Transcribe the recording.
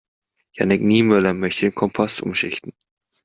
Jannick Niemöller möchte den Kompost umschichten.